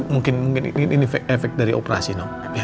mungkin ini efek dari operasi nom